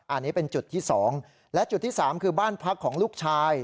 อันนี้เป็นจุดที่๒และจุดที่๓คือบ้านพักของลูกชาย